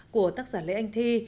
của tác giả lê anh thi